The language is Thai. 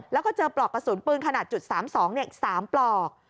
แล้วก็เจอปลอกกระสุนปืนขนาด๓๒อีก๓ปลอก